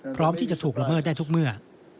พร้อมที่จะถูกละเมิดได้ทุกเมื่อ